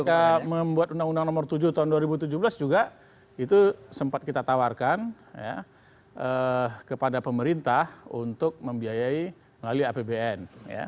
ketika membuat undang undang nomor tujuh tahun dua ribu tujuh belas juga itu sempat kita tawarkan kepada pemerintah untuk membiayai melalui apbn